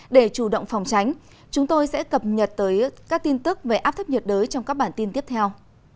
để chủ động phòng tránh chúng tôi sẽ cập nhật tới các tin tức về áp thấp nhiệt đới trong các bản tin tiếp theo